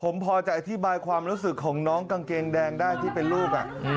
ผมพอจะอธิบายความรู้สึกของน้องกางเกงแดงได้ที่เป็นลูก